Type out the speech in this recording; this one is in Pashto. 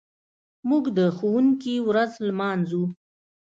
موږ د ښوونکي ورځ لمانځو.